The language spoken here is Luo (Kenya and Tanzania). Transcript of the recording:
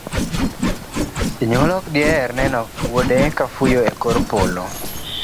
Janyuol ok diher neno wuode ka fuyo e kor polo,